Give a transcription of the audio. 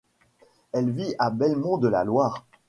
Elle vit à Belmont-de-la-Loire.